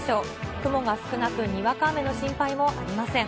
雲が少なく、にわか雨の心配もありません。